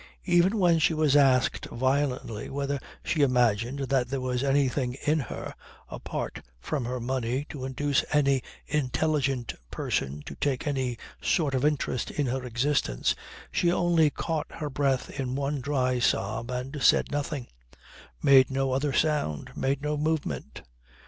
Even when she was asked violently whether she imagined that there was anything in her, apart from her money, to induce any intelligent person to take any sort of interest in her existence, she only caught her breath in one dry sob and said nothing, made no other sound, made no movement.